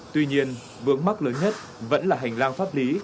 tuy nhiên vướng mắt lớn nhất vẫn là hành lang pháp lý